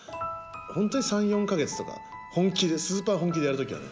本当に３４か月とか本気でスーパー本気でやる時はやる。